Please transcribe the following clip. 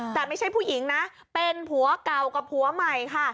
แต่ไม่ใช่ผู้หญิงนะเป็นผัวเก่ากับผัวใหม่ค่ะ